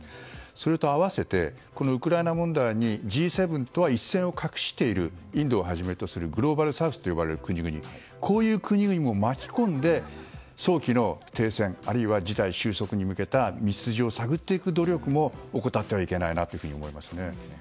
それと併せてこのウクライナ問題にＧ７とは一線を画しているインドをはじめとするグローバルサウスという国々こういう国々も巻き込んで早期の停戦あるいは事態収束に向けた道筋を探っていく努力も怠ってはいけないと思います。